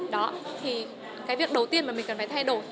đó thì cái việc đầu tiên mà mình cần phải thay đổi